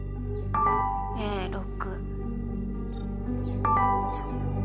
Ａ６。